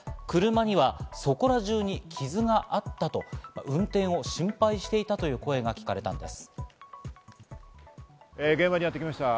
車には、そこらじゅうに傷があったと、運転を心配していたという声が聞かれたんです。